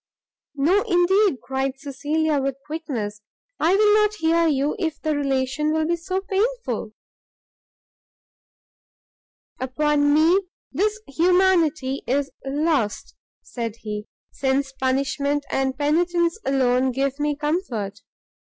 "No, indeed," cried Cecilia with quickness, "I will not hear you, if the relation will be so painful." "Upon me this humanity is lost," said he, "since punishment and penitence alone give me comfort.